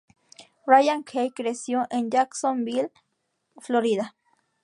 Ryan Key creció en Jacksonville, Florida.